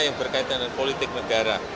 yang berkaitan dengan politik negara